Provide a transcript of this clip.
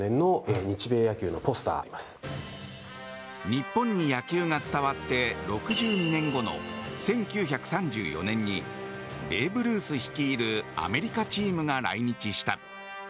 日本に野球が伝わって６２年後の１９３４年にベーブ・ルース率いるアメリカチームが来日した。